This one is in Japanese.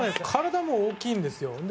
体も大きいんですよ。